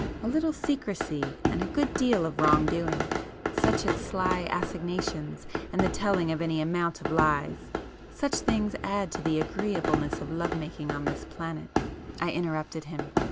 A little secrecy and a good deal of wrong doing, such as sly assignations and the telling of any amount of lies—such things add to the agreeableness of love making on this planet—" I interrupted him.